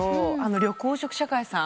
緑黄色社会さん。